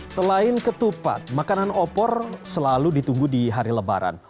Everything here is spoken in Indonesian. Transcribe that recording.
selain ketupat makanan opor selalu ditunggu di hari lebaran